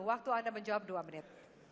waktu anda menjawab dua menit